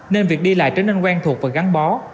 nên việc đi lại trở nên quen thuộc và gắn bó